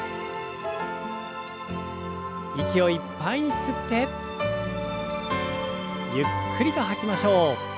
息をいっぱいに吸ってゆっくりと吐きましょう。